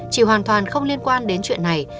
chị hoàn toàn không liên quan đến chuyện này